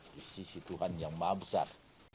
di sisi tuhan yang maha besar